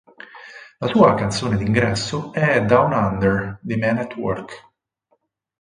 La sua canzone d'ingresso è "Down Under" dei Men at Work.